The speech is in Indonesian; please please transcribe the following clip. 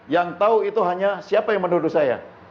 yang tahu itu hanya siapa yang menuduh saya